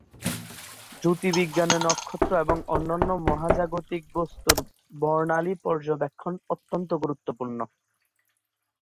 জ্যোতির্বিজ্ঞানে নক্ষত্র এবং অন্যান্য মহাজাগতিক বস্তুর বর্ণালি পর্যবেক্ষণ অত্যন্ত গুরুত্বপূর্ণ।